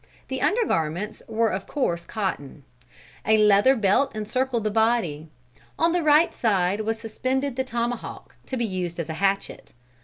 The undergarments were of coarse cotton. A leather belt encircled the body. On the right side was suspended the tomahawk, to be used as a hatchet.